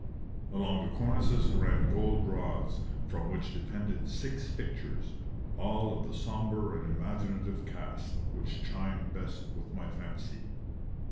Along the cornices ran gold rods, from which depended six pictures, all of the sombre and imaginative caste, which chimed best with my fancy.